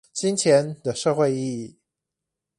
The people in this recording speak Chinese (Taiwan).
金錢的社會意義